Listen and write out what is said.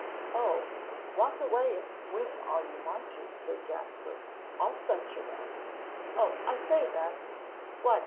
"Oh, walk away and swing all you want to," said Jasper, "I'll set your men. Oh, I say, Ben!" "What?"